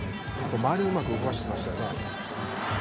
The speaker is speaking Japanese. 周りをうまく動かしてましたよね。